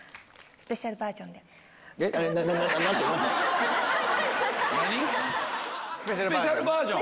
スペシャルバージョン？